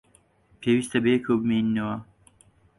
پێویستە بەیەکەوە بمێنینەوە.